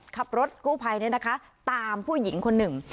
ขับรถกู้ภัยเนี่ยนะคะตามผู้หญิงคนนึง